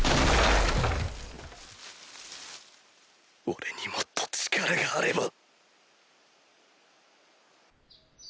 俺にもっと力があれば！